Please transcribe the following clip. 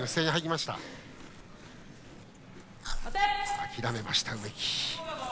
諦めました、梅木。